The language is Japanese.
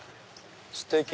ステキ！